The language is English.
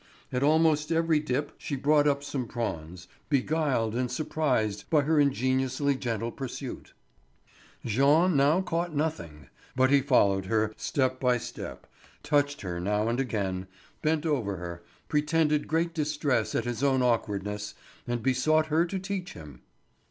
At almost every dip she brought up some prawns, beguiled and surprised by her ingeniously gentle pursuit. Jean now caught nothing; but he followed her, step by step, touched her now and again, bent over her, pretended great distress at his own awkwardness, and besought her to teach him.